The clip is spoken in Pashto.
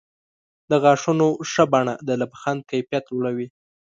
د غاښونو ښه بڼه د لبخند کیفیت لوړوي.